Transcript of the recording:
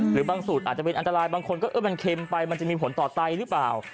หรือบางสูตรอาจจะเป็นอันตรายบางคนก็เออมันเค็มไปมันจะมีผลต่อไตหรือเปล่า